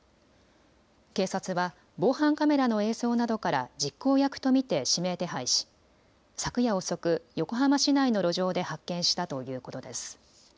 警察は防犯カメラの映像などから実行役と見て指名手配し昨夜遅く、横浜市内の路上で発見したということです。